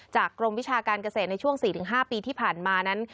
กรมวิชาการเกษตรในช่วง๔๕ปีที่ผ่านมานั้น